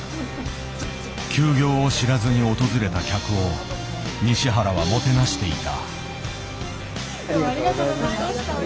休業を知らずに訪れた客を西原はもてなしていた。